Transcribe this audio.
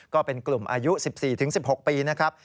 ก็เป็นกลุ่มอายุ๑๔๑๖ปีนะครับ